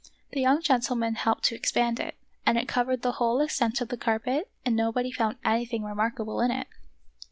The young gentlemen helped to expand it, and it covered the whole extent of the carpet and nobody found anything remarkable in it.